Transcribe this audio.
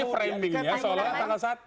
ini framingnya soalnya tanggal satu